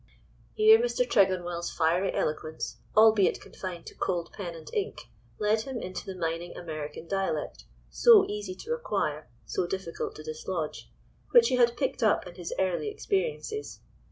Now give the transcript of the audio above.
Here, Mr. Tregonwell's fiery eloquence, albeit confined to cold pen and ink, led him into the mining American dialect, so easy to acquire, so difficult to dislodge—which he had picked up in his early experiences.